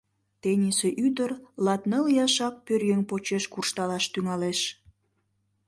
Тенийсе ӱдыр латныл ияшак пӧръеҥ почеш куржталаш тӱҥалеш.